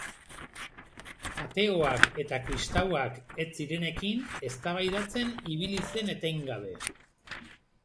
Ateoak eta kristauak ez zirenekin eztabaidatzen ibili zen etengabe.